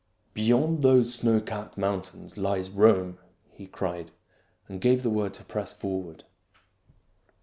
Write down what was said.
" Beyond these snow capped mountains lies Rome !" he cried, and gave the word to press forward.